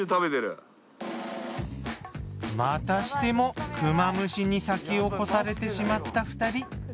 またしてもクマムシに先を越されてしまった２人。